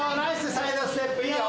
サイドステップいいよ！